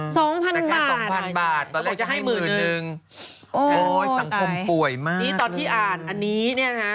สองพันบาทสองพันบาทตอนแรกจะให้หมื่นนึงโอ้ยสังคมป่วยมากนี่ตอนที่อ่านอันนี้เนี่ยนะฮะ